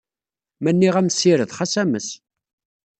Ma nniɣ-am ssired, xas ames.